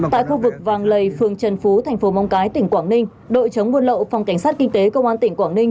tại khu vực vàng lầy phường trần phú tp mong cái tỉnh quảng ninh đội chống buôn lậu phòng cảnh sát kinh tế công an tỉnh quảng ninh